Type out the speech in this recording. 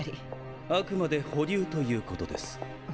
あくまで保留ということです。？